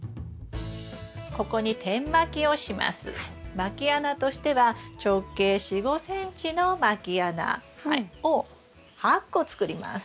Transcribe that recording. まき穴としては直径４５ｃｍのまき穴を８個作ります。